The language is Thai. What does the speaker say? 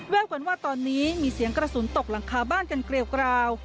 กันว่าตอนนี้มีเสียงกระสุนตกหลังคาบ้านกันเกลียวกราว